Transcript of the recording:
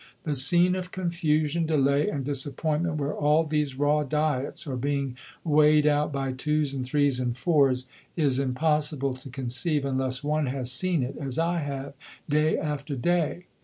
The scene of confusion, delay, and disappointment where all these raw diets are being weighed out by twos, and threes, and fours, is impossible to conceive, unless one has seen it, as I have, day after day.